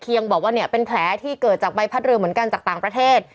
ยังบอกว่าเนี่ยเป็นแผลที่เกิดจากใบพัดเรือเหมือนกันจากต่างประเทศ